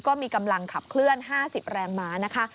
ก็มีกำลังขับเคลื่อน๕๐แรมมาร์